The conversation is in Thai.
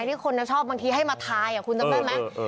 ที่คนน่ะชอบบางทีให้มาทายอ่ะคุณจำแป้งไหมเออเออ